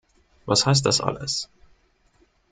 Was heißt das alles?